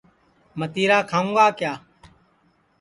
متِرا کھاؤں گا کِیا